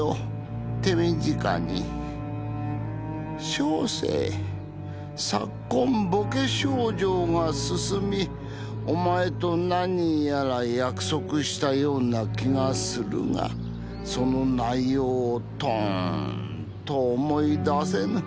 「小生昨今ボケ症状が進みお前と何やら約束したような気がするがその内容をとんと思い出せぬ」